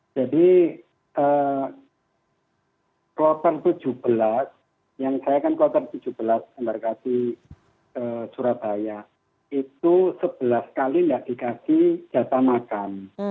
jadi kuartal tujuh belas yang saya kan kuartal tujuh belas mbak kati surabaya itu sebelas kali tidak dikasih jasa makan